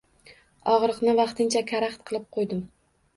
Og’riqni vaqtincha karaxt qilib qo’ydim